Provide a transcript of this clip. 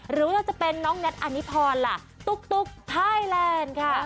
หรือว่าจะเป็นน้องแน็ตอนิพรล่ะตุ๊กไทยแลนด์ค่ะ